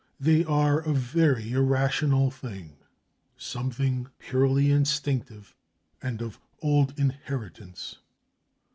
They are a very irrational thing, something purely instinctive and of old inheritance.